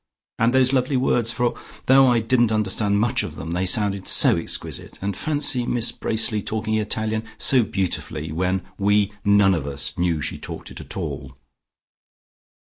And those lovely words, for though I didn't understand much of them, they sounded so exquisite. And fancy Miss Bracely talking Italian so beautifully when we none of us knew she talked it at all."